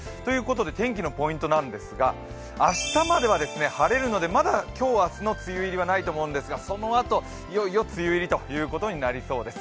天気のポイントなんですが明日までは晴れるのでまだ今日明日の梅雨入りはないと思うんですがそのあと、いよいよ梅雨入りということになりそうです。